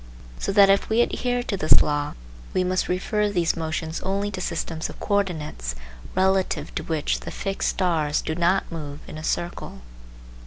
So that if we adhere to this law we must refer these motions only to systems of coordinates relative to which the fixed stars do not move in a circle.